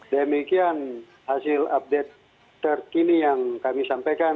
demikian hasil update terkini yang kami sampaikan